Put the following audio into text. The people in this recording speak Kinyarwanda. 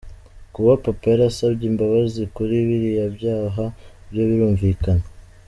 Kuba Papa yarasabye imbabazi kuri biriya byaha byo birumvikana.